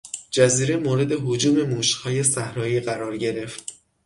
جزیره مورد هجوم موشهای صحرایی قرار گرفت.